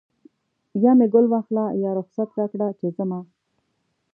یا مې ګل واخله یا رخصت راکړه چې ځمه